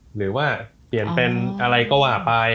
หรือว่าเปลี่ยนเป็นอะไรก็ว่าไป